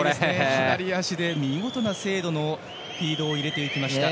左足で見事な精度で入れていきました。